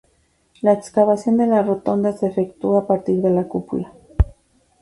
La excavación de la rotonda se efectuó a partir de la cúpula.